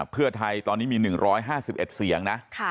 เพื่อไทยตอนนี้มี๑๕๑เสียงนะ